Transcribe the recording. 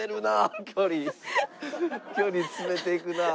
距離詰めていくなあ。